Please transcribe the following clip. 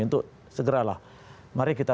untuk segeralah mari kita